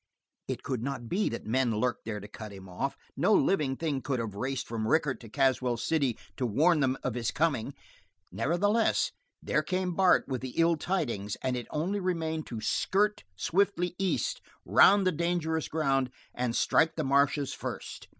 It could not be that men lurked there to cut him off. No living thing could have raced from Rickett to Caswell City to warn them of his coming. Nevertheless, there came Bart with the ill tidings, and it only remained to skirt swiftly east, round the dangerous ground, and strike the marshes first.